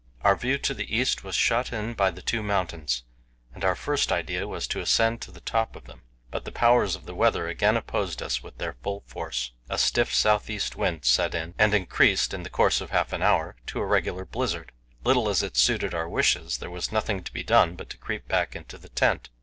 Our view to the east was shut in by the two mountains, and our first idea was to ascend to the tops of them, but the powers of the weather again opposed us with their full force. A stiff south east wind set in and increased in the course of half an hour to a regular blizzard. Little as it suited our wishes, there was nothing to be done but to creep back into the tent.